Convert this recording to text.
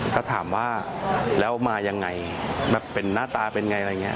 ก็ถามว่าแล้วมายังไงแบบเป็นหน้าตาเป็นไงอะไรอย่างนี้